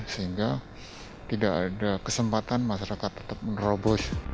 sehingga tidak ada kesempatan masyarakat tetap menerobos